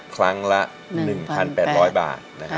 ครั้งละ๑๘๐๐บาท